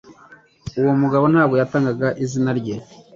Uwo mugabo ntabwo yatanga izina rye